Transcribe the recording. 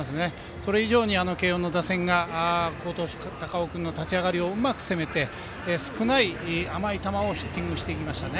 それ以上に慶応の打線が好投手、高尾君の立ち上がりをうまく攻めて少ない甘い球をヒッティングしていきましたね。